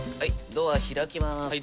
ドア開きます。